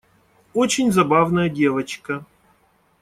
Очень забавная девочка.